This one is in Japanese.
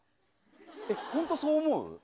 本当そう思う？